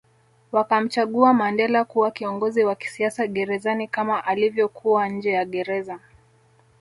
Wakamchagua Mandela kuwa kiongozi wa kisiasa gerezani kama alivyokuwa nje ya Gereza